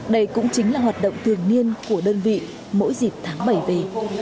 đây cũng chính là hoạt động thường niên của đơn vị mỗi dịp tháng bảy về